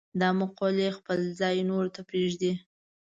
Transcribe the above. دا مقولې خپل ځای نورو ته پرېږدي.